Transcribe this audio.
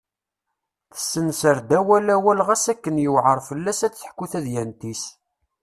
Tessensar-d awal awal ɣas akken yuɛer fell-as ad d-teḥku tadyant-is.